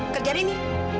kerja di sini